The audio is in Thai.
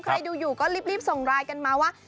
ใครดูอยู่ก็รีบส่งไลน์กันมาว่า